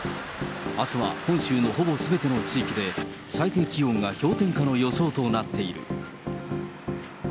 あすは本州のほぼすべての地域で、最低気温が氷点下の予想となっている。